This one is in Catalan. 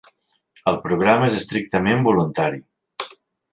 El programa és estrictament voluntari.